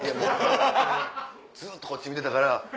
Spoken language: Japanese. ずっとこっち見てたから。